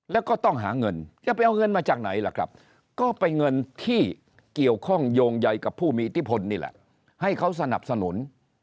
แล้วก็ต้องหาเงินจะไปเอาเงินมาจากไหนล่ะครับก็เป็นเงินที่เกี่ยวข้องโยงใยกับผู้มีอิทธิพลนี่แหละให้เขาสนับสนุน